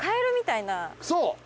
そう！